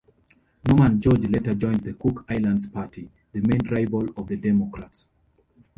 Norman George later joined the Cook Islands Party, the main rival of the Democrats.